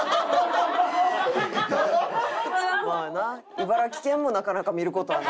茨城県もなかなか見る事はない。